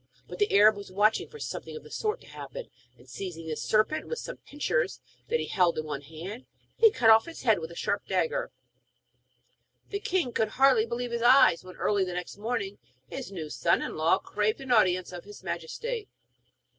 But the Arab was watching for something of the sort to happen, and seizing the serpent with some pincers that he held in one hand, he cut off its head with a sharp dagger. The king could hardly believe his eyes when, early the next morning, his new son in law craved an audience of his Majesty.